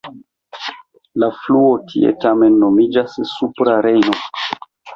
La fluo tie tamen nomiĝas Supra Rejno.